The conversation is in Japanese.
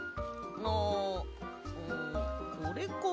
ああこれかなあ。